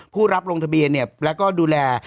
ผู้รับลงทะเบียนแล้วก็ดูแล